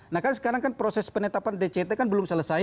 nah kan sekarang kan proses penetapan dct kan belum selesai